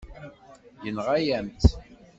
Yenɣa-yam-tt.